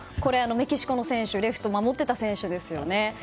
メキシコの選手レフトを守っていた選手ですよね。